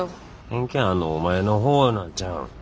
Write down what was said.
偏見あんのお前の方なんちゃうん。